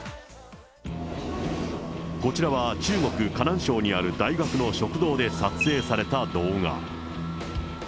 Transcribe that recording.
こちらは中国・河南省にある大学の食堂で撮影された動画。